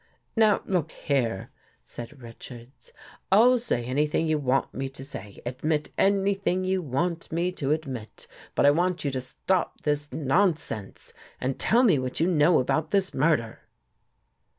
" Now, look here," said Richards. " I'll say any thing you want me to say, admit anything you want me to admit, but I want you to stop this nonsense and tell me what you know about this murder."